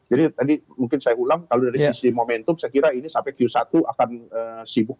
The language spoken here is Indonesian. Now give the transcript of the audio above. jadi tadi mungkin saya ulang kalau dari sisi momentum saya kira ini sampai q satu akan sibuk